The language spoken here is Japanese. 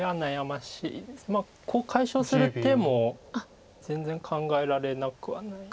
まあコウ解消する手も全然考えられなくはない。